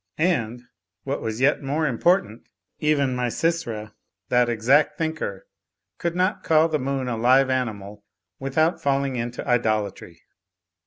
And (what was yet more im portant) even Misysra (that exact thinker) could not call the moon a live animal without falling into idol atry.